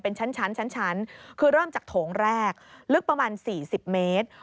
เป็นชั้นคือเริ่มจากโถงแรกลึกประมาณ๔๐เมตร